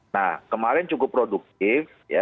nah kemarin cukup produktif